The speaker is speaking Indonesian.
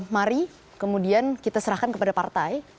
mari kemudian kita serahkan kepada partai